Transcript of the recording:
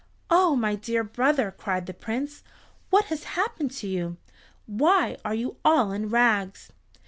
"Oh, my dear brother," cried the Prince, "what has happened to you? Why are you all in rags?"